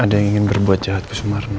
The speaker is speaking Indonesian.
ada yang ingin berbuat jahat ke sumarno